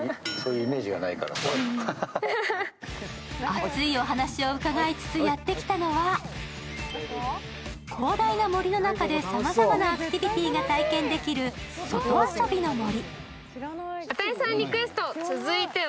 熱いお話を伺いつつやってきたのは、広大な森の中でさまざまなアクティビティーが体験できるソト遊びの森。